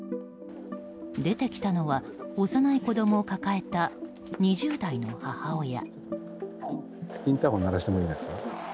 出てきたのは幼い子供を抱えた２０代の母親。